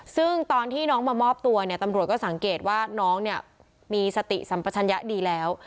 ซึ่งตอนที่น้องมามอบตัวเนี่ยตำรวจก็สังเกตว่าน้องเนี่ยมีสติสัมปชัญญะดีแล้ว